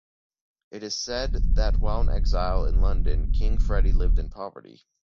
It is said that while in exile in London, King Freddie lived in poverty.